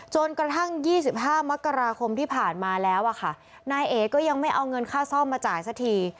จนกระทั่ง๒๕มกราคมที่ผ่านมาแล้วอะค่ะนายเอ๋ก็ยังไม่เอาเงินค่าซ่อมมาจ่ายสักที